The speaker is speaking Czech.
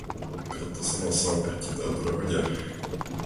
Proto jsem hlasoval proti této dohodě.